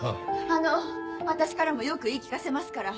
あの私からもよく言い聞かせますから。